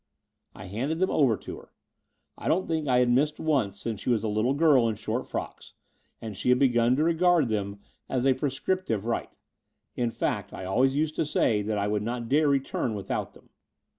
I handed them over to her. I don't think I had missed once since she was a little girl in short frocks; and she had b^;un to regard them as a Between London and Clymping 129 prescriptive right. In fact, I always used to say that I would not dare return without them.